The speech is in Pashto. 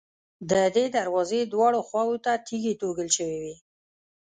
د دې دروازې دواړو خواوو ته تیږې توږل شوې وې.